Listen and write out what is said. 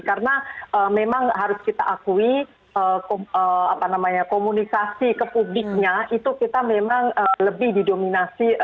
karena memang harus kita akui komunikasi ke publiknya itu kita memang lebih didominasi